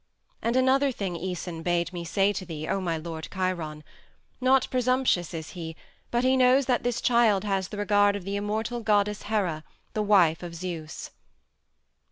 And another thing Æson bade me say to thee, O my lord Chiron: not presumptuous is he, but he knows that this child has the regard of the immortal Goddess Hera, the wife of Zeus."